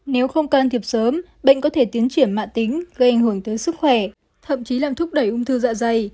nếu không can thiệp sớm bệnh có thể tiến triển mạng tính gây ảnh hưởng tới sức khỏe thậm chí làm thúc đẩy ung thư dạ dày